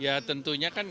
ya tentunya kan